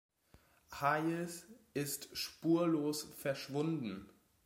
Hayes ist spurlos verschwunden.